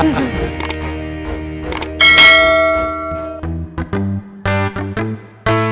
nggak bisa ada pencetnya